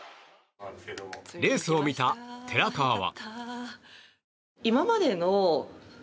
レースを見た寺川は。